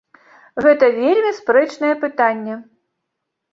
Гэта вельмі спрэчнае пытанне.